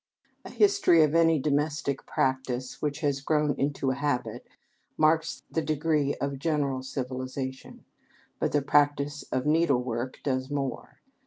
A history of any domestic practice which has grown into a habit marks the degree of general civilization, but the practice of needlework does more.